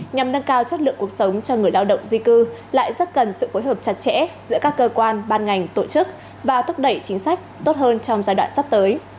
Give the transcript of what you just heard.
nhằm nâng cao chất lượng cuộc sống cho người lao động di cư lại rất cần sự phối hợp chặt chẽ giữa các cơ quan ban ngành tổ chức và thúc đẩy chính sách tốt hơn trong giai đoạn sắp tới